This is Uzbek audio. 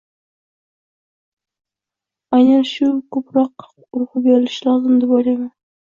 aynan shunga koʻproq urgʻu berilishi lozim deb oʻylayman.